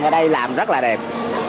ở đây làm rất là đẹp